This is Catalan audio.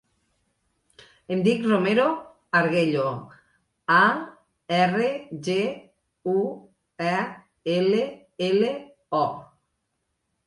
Em dic Romeo Arguello: a, erra, ge, u, e, ela, ela, o.